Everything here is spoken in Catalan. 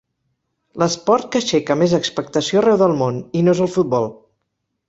L'esport que aixeca més expectació arreu del món, i no és el futbol.